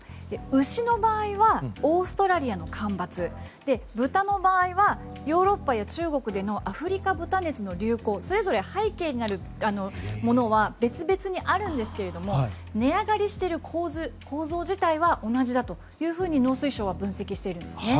牛の場合はオーストラリアの干ばつ豚の場合はヨーロッパや中国でのアフリカ豚熱の流行それぞれ背景にあるものは別々にあるんですが値上がりしている構図、構造自体は同じだと農水省は分析しているんですね。